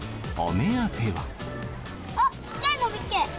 あっ、ちっちゃいの見っけ。